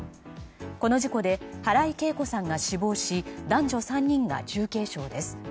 この事故で原井恵子さんが死亡し男女３人が重軽傷です。